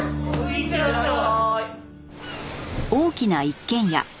いってらっしゃい。